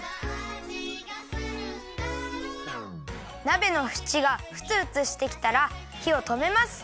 なべのふちがふつふつしてきたらひをとめます。